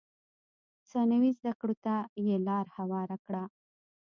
ثانوي زده کړو ته یې لار هواره کړه.